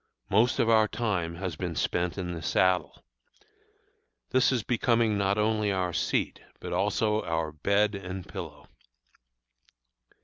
Most of our time has been spent in the saddle. This is becoming not only our seat, but also our bed and pillow.